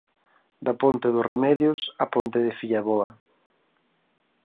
Da ponte dos Remedios á ponte de Fillaboa.